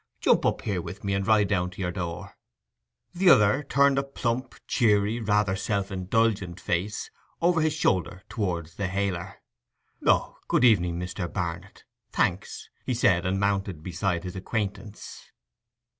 'Jump up here with me, and ride down to your door.' The other turned a plump, cheery, rather self indulgent face over his shoulder towards the hailer. 'O, good evening, Mr. Barnet—thanks,' he said, and mounted beside his acquaintance.